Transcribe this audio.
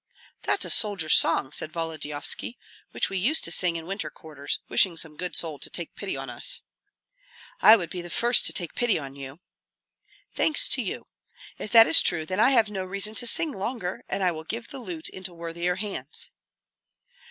"That's a soldier's song," said Volodyovski, "which we used to sing in winter quarters, wishing some good soul to take pity on us." "I would be the first to take pity on you." "Thanks to you. If that is true, then I have no reason to sing longer, and I will give the lute into worthier hands."